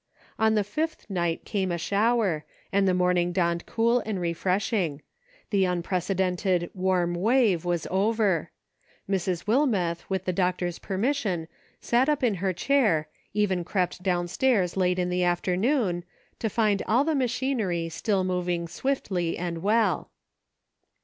On the fifth night came a shower, and the morn ing dawned cool and refreshing ; the unprece dented " warm wave " was over. Mrs. Wilmeth, with the doctor's permission, sat up in her chair, even crept down stairs, late in the afternoon, to find all the machinery still moving swiftly and well.